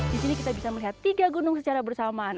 di sini kita bisa melihat tiga gunung secara bersamaan